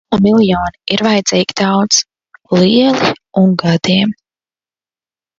Un miljoni ir vajadzīgi daudz, lieli un gadiem...